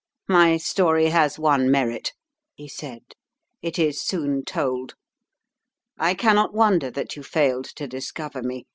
"My story has one merit," he said: "it is soon told. I cannot wonder that you failed to discover me.